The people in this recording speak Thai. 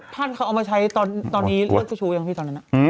ท่านเขาเอามาใช้ตอนนี้เลือดเจ้าชู้ยังพี่ตอนนั้น